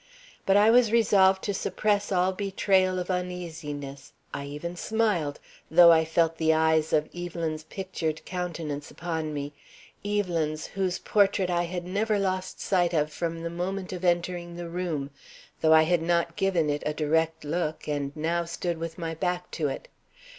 But I was resolved to suppress all betrayal of uneasiness. I even smiled, though I felt the eyes of Evelyn's pictured countenance upon me; Evelyn's, whose portrait I had never lost sight of from the moment of entering the room, though I had not given it a direct look and now stood with my back to it.